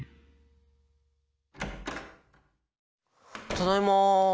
・ただいま。